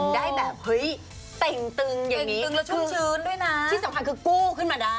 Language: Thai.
แล้วทูกชื้นด้วยที่สังคัญคือกู้ขึ้นมาได้